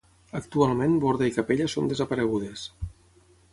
Actualment borda i capella són desaparegudes.